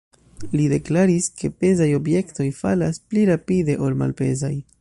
Li deklaris, ke pezaj objektoj falas pli rapide ol malpezaj.